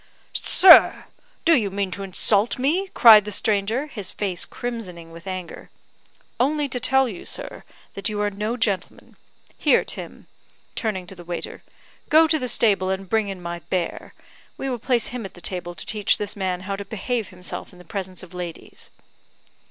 "Sir! do you mean to insult me?" cried the stranger, his face crimsoning with anger. "Only to tell you, sir, that you are no gentleman. Here, Tim," turning to the waiter, "go to the stable and bring in my bear; we will place him at the table to teach this man how to behave himself in the presence of ladies."